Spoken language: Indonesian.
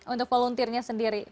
untuk volunteernya sendiri